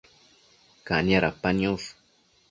Cania dapa niosh